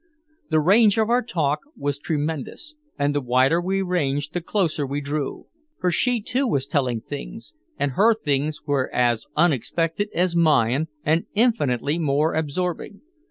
The range of our talk was tremendous, and the wider we ranged the closer we drew. For she too was telling things, and her things were as unexpected as mine and infinitely more absorbing.